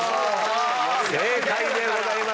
正解でございます